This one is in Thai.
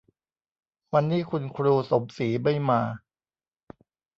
วันนี้คุณครูสมศรีไม่มา